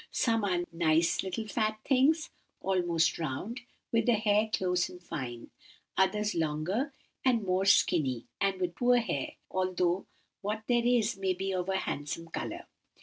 Some are nice little fat things—almost round, with the hair close and fine; others longer and more skinny, and with poor hair, although what there is may be of a handsome colour.